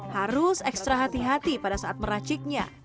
harus ekstra hati hati pada saat meraciknya